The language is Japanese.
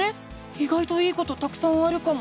いがいといいことたくさんあるかも！